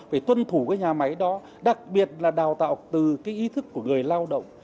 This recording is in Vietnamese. phải tuân thủ cái nhà máy đó đặc biệt là đào tạo từ cái ý thức của người lao động